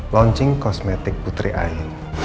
launching kosmetik putri ayu